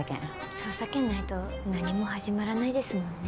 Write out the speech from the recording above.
捜査権ないとなにも始まらないですもんね。